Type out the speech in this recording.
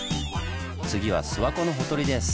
次は諏訪湖のほとりです！